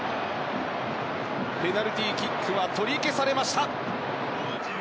ペナルティーキックは取り消されました。